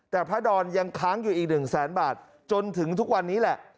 แต่พระดอนยังค้างอยู่อีก๑แสนบาทจนถึงทุกวันนี้แหละ